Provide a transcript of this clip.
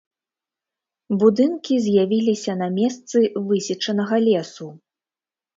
Будынкі з'явіліся на месцы высечанага лесу.